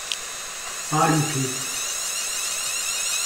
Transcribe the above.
Parintins